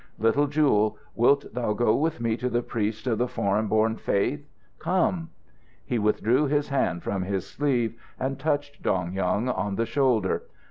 "Little Jewel, wilt thou go with me to the priest of the foreign born faith? Come!" He withdrew his hand from his sleeve and touched Dong Yung on the shoulder.